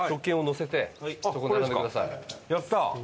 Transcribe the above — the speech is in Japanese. やったー！